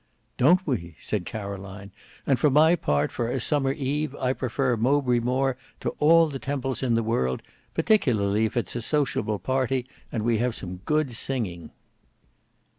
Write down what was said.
"Don't we!" said Caroline; "and for my part for a summer eve I prefer Mowbray Moor to all the Temples in the world, particularly if it's a sociable party and we have some good singing."